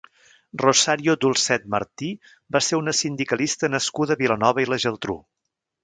Rosario Dolcet Martí va ser una sindicalista nascuda a Vilanova i la Geltrú.